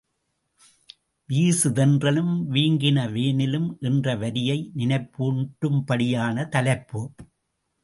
வீசுதென்றலும் வீங்கின வேனிலும் என்ற வரியை நினைப்பூட்டும் படியான தலைப்பு.